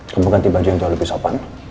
tumbuh ganti baju yang jauh lebih sopan